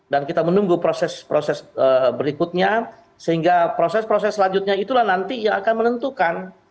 kita menunggu proses proses berikutnya sehingga proses proses selanjutnya itulah nanti yang akan menentukan